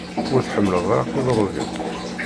Ur tḥemmleḍ ara idrugen?